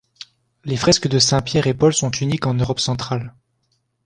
Les fresques de Saints-Pierre-et-Paul sont uniques en Europe centrale.